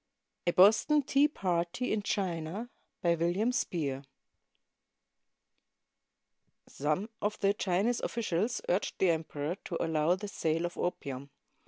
A "BOSTON TEA PARTY" IN CfflNA BY WILLIAM SPEER [Some of the Chinese officials urged the emperor to allow the sale of opium.